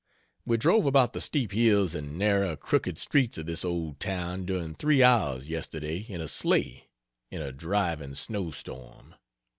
We drove about the steep hills and narrow, crooked streets of this old town during three hours, yesterday, in a sleigh, in a driving snow storm.